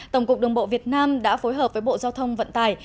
tổng cục đồng bộ việt nam đã phối hợp với bộ giao thông vận tài